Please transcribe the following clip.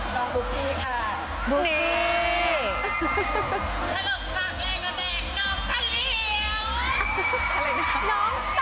น้องบุ๊กกี้ค่ะ